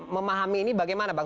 memahami ini bagaimana bang